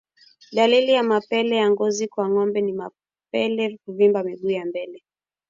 Dalili ya mapele ya ngozi kwa ngombe ni mapele kuvimba miguu ya mbele